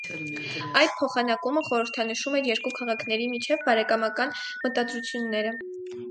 Այդ փոխանակումը խորհրդանշում էր երկու քաղաքների միջև բարեկամական մտադրությունները։